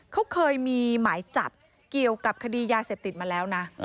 เขาเคยมีหมายจับเกี่ยวกับคดียาเสพติดมาแล้วนะ